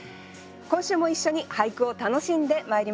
今週も一緒に俳句を楽しんでまいりましょう。